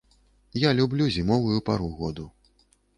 Я люблю зімовую пару году.